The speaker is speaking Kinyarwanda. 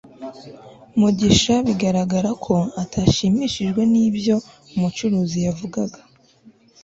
mugisha biragaragara ko atashimishijwe nibyo umucuruzi yavugaga